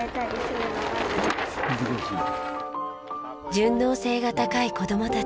順応性が高い子供たち。